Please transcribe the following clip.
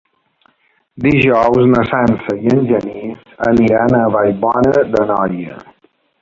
Dijous na Sança i en Genís aniran a Vallbona d'Anoia.